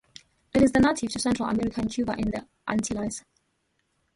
It is native to Central America in Cuba and the Antilles.